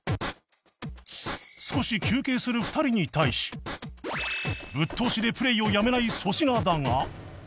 少し休憩する２人に対しぶっ通しでプレイをやめない粗品だが